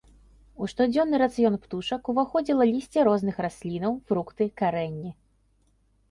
У штодзённы рацыён птушак уваходзіла лісце розных раслінаў, фрукты, карэнні.